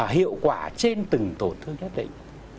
hiệu quả trên từng tổn thương nhất định